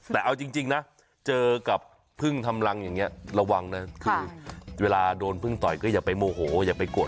แต่เอาจริงนะเจอกับพึ่งทำรังอย่างนี้ระวังนะคือเวลาโดนพึ่งต่อยก็อย่าไปโมโหอย่าไปโกรธ